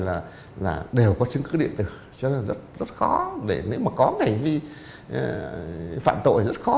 là đều có chứng cứ điện tử cho nên rất khó để nếu mà có hành vi phạm tội rất khó